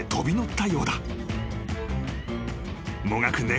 ［もがく猫。